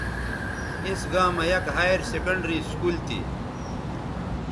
اِس گاں مہ یک ہائیر سیکنڈری سکول تھی